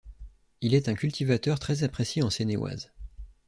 Il est un cultivateur très apprécié en Seine-et-Oise.